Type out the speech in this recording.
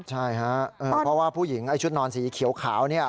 ใช่ครับเพราะว่าผู้หญิงไอ้ชุดนอนสีเขียวขาวเนี่ย